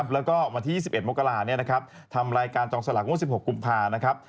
แล้วก็วันที่๒๑มกราทำรายการจองสลากงวด๑๖กุมภานะครับ